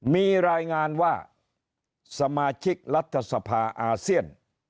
มีรายงานว่าสมาชิกรัฐสภาอาเซียน